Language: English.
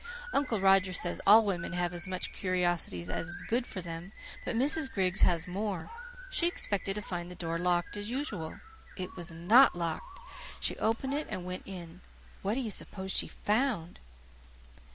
Uncle Roger says all women have as much curiosity as is good for them, but Mrs. Griggs has more. She expected to find the door locked as usual. It was NOT locked. She opened it and went in. What do you suppose she found?"